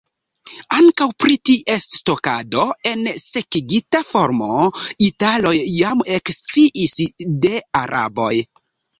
Ankaŭ pri ties stokado en sekigita formo, italoj jam eksciis de araboj.